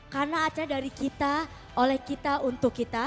karena acara dari kita oleh kita untuk kita